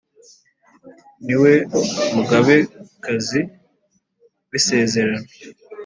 niwe mugabekazi w’isezerano.